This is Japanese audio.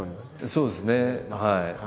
そうですねはい。